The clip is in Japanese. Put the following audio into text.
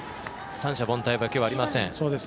三者凡退は今日はありません。